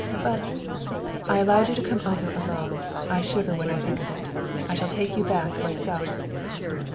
"But " "I allowed you to come over alone. I shiver when I think of it. I shall take you back myself."